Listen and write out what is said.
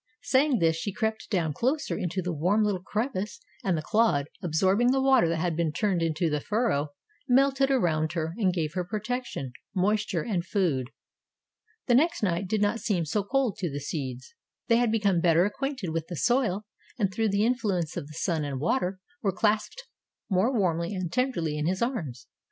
Saying this she crept down closer into the warm little crevice and the clod, absorbing the water that had been turned into the furrow, melted around her and gave her protection, moisture and food. The next night did not seem so cold to the seeds. They had become better acquainted with the soil and through the influence of the sun and water were clasped more warmly and tenderly in his arms.